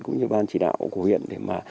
cũng như ban chỉ đạo của huyện để mà